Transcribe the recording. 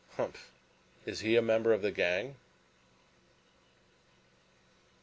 "Humph! Is he a member of the gang?"